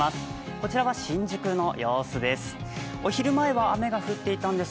こちらは新宿の様子です。